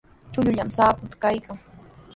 Chullallami sapatuu kaykan.